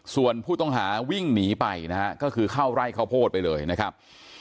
ส่วนผู้ต้องหาวิ่งหนีไปนะฮะก็คือเข้าไร่ข้าวโพดไปเลยนะครับ